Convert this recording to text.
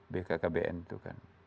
bkkbn itu kan